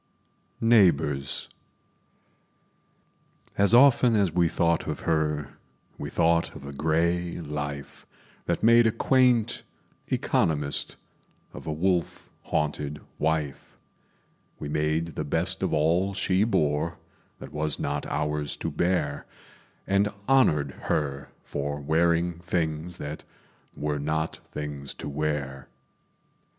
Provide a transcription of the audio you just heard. Neighbors As often as we thought of her, We thought of a gray life That made a quaint economist Of a wolf haunted wife; We made the best of all she bore That was not ours to bear, And honored her for wearing things That were not things to wear.